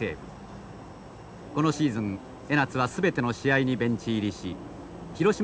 このシーズン江夏は全ての試合にベンチ入りし広島